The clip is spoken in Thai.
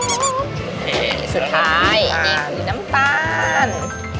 โอเคสุดท้ายเนี่ยน้ำตาล